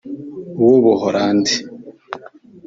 uw’u Buholandi